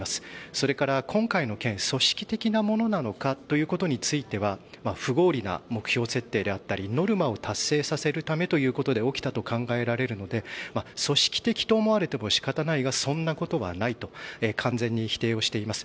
それから、今回の件組織的なものなのかということについては不合理な目標設定であったりノルマを達成させるためということで起きたと考えられるので組織的と思われても仕方ないがそんなことはないと完全に否定しています。